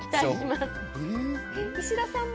石田さんも。